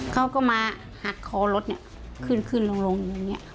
เค้าก็มาหักคอรถขึ้นลงเหมือนนี้